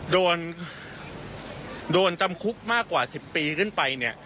โดนโดนจำคุกมากกว่า๑๐ปีขึ้นไปเนี่ย